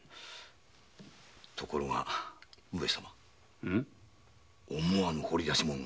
ところが思わぬ掘り出し物が。